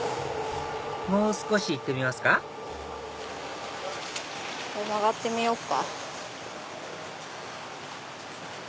もう少し行ってみますかここ曲がってみようか。